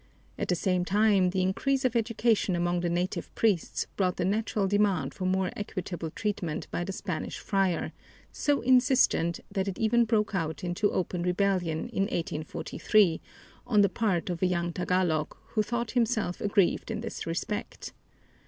At the same time, the increase of education among the native priests brought the natural demand for more equitable treatment by the Spanish friar, so insistent that it even broke out into open rebellion in 1843 on the part of a young Tagalog who thought himself aggrieved in this respect.